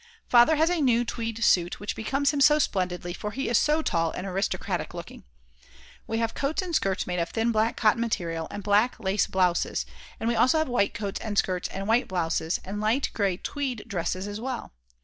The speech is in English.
Father has a new tweed suit which becomes him splendidly for he is so tall and aristocratic looking. We have coats and skirts made of thin black cotton material and black lace blouses, and we also have white coats and skirts and white blouses, and light grey tweed dresses as well.